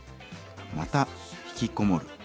「またひきこもる。